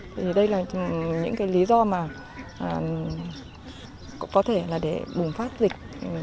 thì đây là những cái lý do mà có thể là để bùng phát dịch